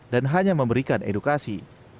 dan hanya memberikan edukasi